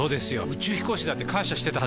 宇宙飛行士だって感謝してたはずです！